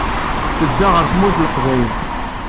Tedda ɣer Tmurt n Leqbayel.